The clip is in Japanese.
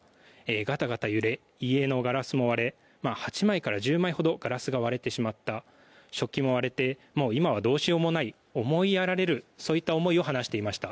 がたがた揺れ、家のガラスも８枚から１０枚ほどガラスが割れてしまった食器も割れてもう今はどうしようもない思いやられるとそういった思いを話していました。